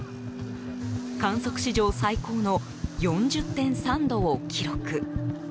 観測史上最高の４０．３度を記録。